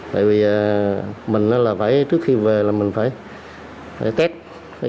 tại vì mình trước khi về là mình phải test phải kiểm tra hết